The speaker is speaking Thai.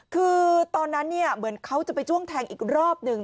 คือตอนนั้นเนี่ยเหมือนเขาจะไปจ้วงแทงอีกรอบหนึ่ง